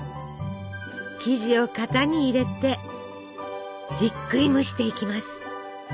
生地を型に入れてじっくり蒸していきます。